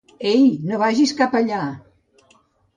Ei, no vagis cap allà!